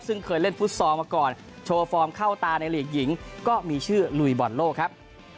ซึ่งเคยเล่นฟุตซอลมาก่อนโชว์ฟอร์มเข้าตาในหลีกหญิงก็มีชื่อลุยบอลโลกครับ